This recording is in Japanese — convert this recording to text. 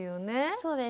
そうです。